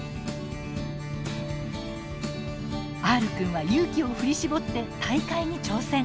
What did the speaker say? Ｒくんは勇気を振り絞って大会に挑戦。